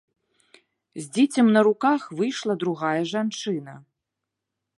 З дзіцем на руках выйшла другая жанчына.